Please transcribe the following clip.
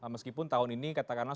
meskipun tahun ini katakanlah